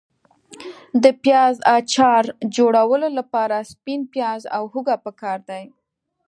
د پیاز اچار جوړولو لپاره سپین پیاز او هوګه پکار دي.